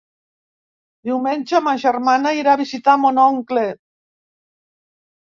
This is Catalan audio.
Diumenge ma germana irà a visitar mon oncle.